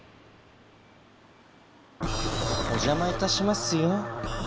おじゃまいたしますよ。